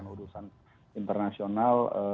untuk urusan internasional